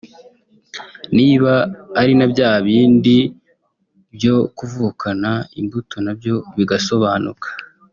niba ari na bya bindi byo kuvukana imbuto nabyo bigasobanuka